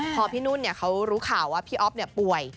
พอพี่นุ่นเขารู้ข่าวว่าพี่อ๊อฟป่วย